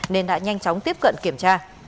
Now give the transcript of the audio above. nên đã nhanh chóng tiếp cận kiểm tra